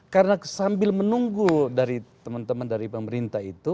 karena sambil menunggu dari teman teman dari pemerintah itu